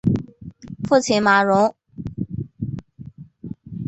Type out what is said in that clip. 父亲马荣。